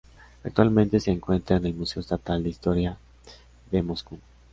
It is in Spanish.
Actualmente se encuentra en el Museo Estatal de Historia de Moscú.